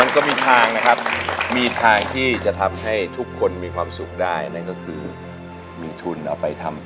ค่อยไปได้เปล่า